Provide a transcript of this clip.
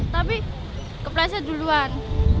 tapi kepleset duluan